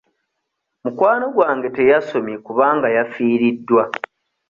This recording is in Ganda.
Mukwano gwange teyasomye kubanga yafiiriddwa.